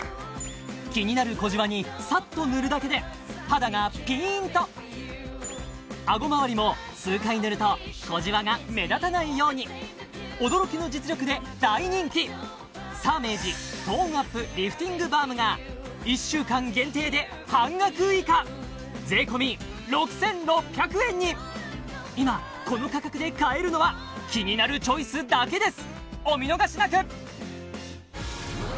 気になる小じわにサッと塗るだけで肌がピーンと顎周りも数回塗ると小じわが目立たないように驚きの実力で大人気サーメージトーンアップリフティングバームが１週間限定で半額以下税込６６００円に今この価格で買えるのは「キニナルチョイス」だけです